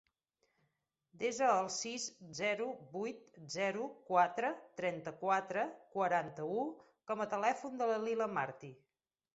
Desa el sis, zero, vuit, zero, quatre, trenta-quatre, quaranta-u com a telèfon de la Lila Marti.